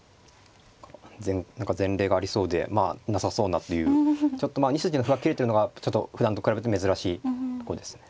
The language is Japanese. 何か前例がありそうでまあなさそうなというちょっとまあ２筋の歩は切るというのがちょっとふだんと比べて珍しいところですね。